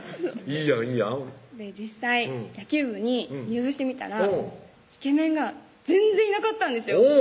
いいやん実際野球部に入部してみたらイケメンが全然いなかったんですよ